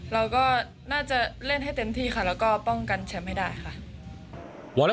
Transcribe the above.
เราก็น่าจะเล่นให้เต็มที่ค่ะแล้วก็ป้องกันแชมป์ให้ได้ค่ะ